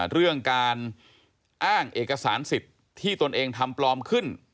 เรื่องการอ้างเอกสารสิทธิ์ที่ตนเองทำปลอมขึ้น